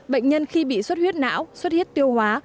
bệnh nhân khi bị suất huyết não xuất huyết tiêu hóa